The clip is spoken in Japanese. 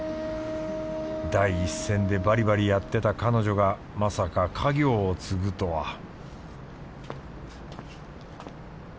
第一線でバリバリやってた彼女がまさか家業を継ぐとは